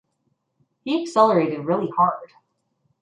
He accelerated really hard.